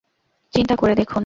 চিন্তা করে দেখুন।